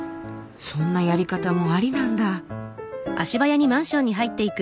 そんなやり方もありなんだ。